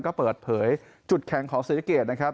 ก็เปิดเผยจุดแข่งของศรีสะเกดนะครับ